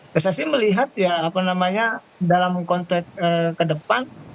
pssi melihat ya apa namanya dalam konteks ke depan